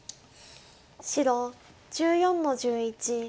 白１４の十一。